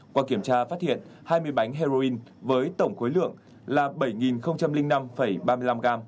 qua kiểm tra phát hiện hai mươi bánh heroin với tổng khối lượng là bảy năm ba mươi năm g